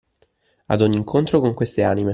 Ad ogni incontro con queste anime